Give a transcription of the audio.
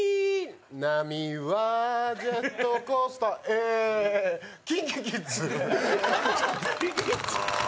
波はジェットコースターＫｉｎＫｉＫｉｄｓ。